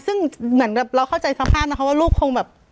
ซึ่งเหมือนแบบเราเข้าใจสภาพนะคะว่าลูกคงแบบ